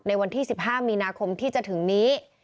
ในวันที่๑๕มีนาคมที่จะถึงนี้